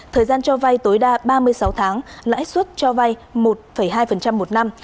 thời gian cho vay tối đa ba mươi sáu tháng lãi suất cho vay một hai một năm